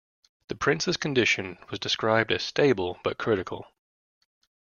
The prince's condition was described as "stable, but critical".